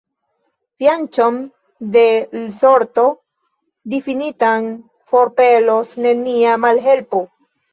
Fianĉon de l' sorto difinitan forpelos nenia malhelpo.